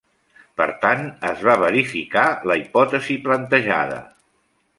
Per tant, es va verificar la hipòtesi plantejada.